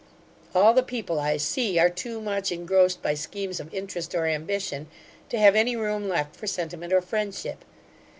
All the people I see, are too much engrossed by schemes of interest or ambition, to have any room left for sentiment or friendship.